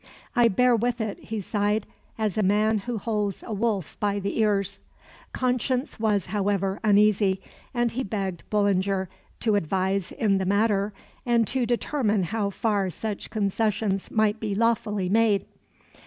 "I bear with it," he sighed, "as a man who holds a wolf by the ears." Conscience was, however, uneasy, and he begged Bullinger to advise in the matter and to determine how far such concessions might be lawfully made.